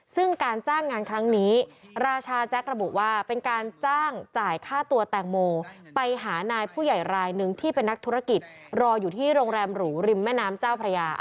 ซึ่งการจ้างงานครั้งนี้ราชาแจ๊กระบุว่าเป็นการจ้างจ่ายค่าตัวแตงโมไปหานายผู้ใหญ่รายหนึ่งที่เป็นนักธุรกิจรออยู่ที่โรงแรมหรูริมแม่น้ำเจ้าพระยา